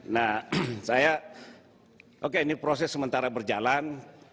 nah saya oke ini proses sementara berjalan